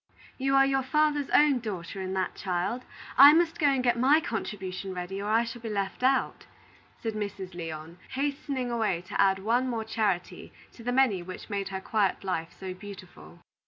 "You are your father's own daughter in that, child. I must go and get my contribution ready, or I shall be left out," said Mrs. Lyon, hastening away to add one more charity to the many which made her quiet life so beautiful.